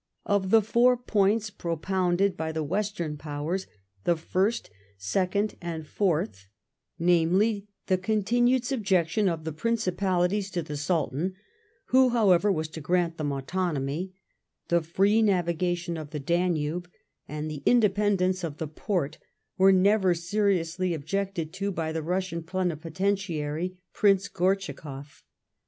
Of the four points," propounded by the Western Powers, the first, second, and fourth, namely, the continued subjection of the Principalities to the Sultan, who, however, was to grant them autonomy; the free navigation of the Danube ; and the independence of the Porte, were never seriously objected to by the Bussian Plenipotentiary, Prince Gortschakoff.